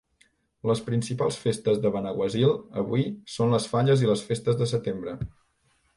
Les principals festes de Benaguasil, avui, són les Falles i les Festes de Setembre.